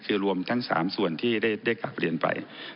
คือรวมทั้ง๓ส่วนที่ได้กลับเรียนไป